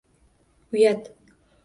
Uyat!